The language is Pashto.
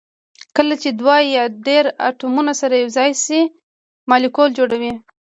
کله چې دوه یا ډیر اتومونه سره یو ځای شي مالیکول جوړوي